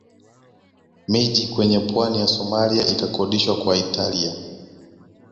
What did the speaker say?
Miji kwenye pwani ya Somalia ikakodishwa kwa Italia